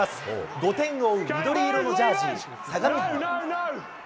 ５点を追う緑色のジャージ、相模原。